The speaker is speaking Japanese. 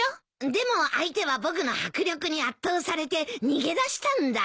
でも相手は僕の迫力に圧倒されて逃げだしたんだ。